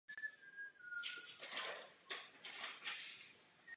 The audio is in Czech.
Vůz byl k dostání pouze v otevřené verzi.